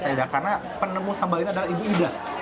karena penemu sambal ini adalah ibu ida